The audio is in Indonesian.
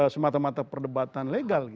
semata mata perdebatan legal